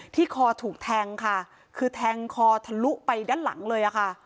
คอถูกแทงค่ะคือแทงคอทะลุไปด้านหลังเลยอะค่ะ